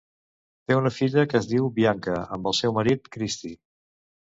Té una filla que es diu Bianca amb el seu marit, Christie.